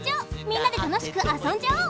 みんなでたのしくあそんじゃおう。